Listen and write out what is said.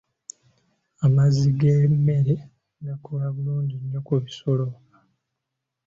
Amazzi g'emmere gakola bulungi nnyo ku bisolo.